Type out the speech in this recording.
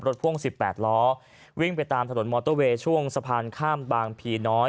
พ่วง๑๘ล้อวิ่งไปตามถนนมอเตอร์เวย์ช่วงสะพานข้ามบางพีน้อย